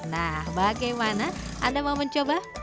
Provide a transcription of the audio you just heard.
nah bagaimana anda mau mencoba